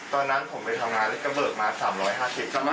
ตอนนั้นผมไปทำงานแล้วกำเบิกมา๓๕๐